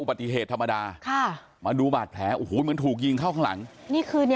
เพราะข้างหลังมันเป็นรูมีกลมมีก้อยสอดได้